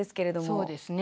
そうですね。